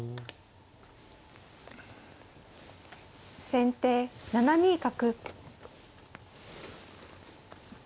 先手７二角。